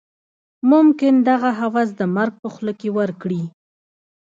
ممکن دغه هوس د مرګ په خوله کې ورکړي.